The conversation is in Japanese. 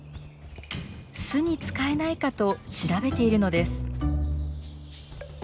巣に使えないかと調べているのです。